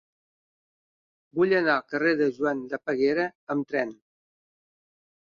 Vull anar al carrer de Joan de Peguera amb tren.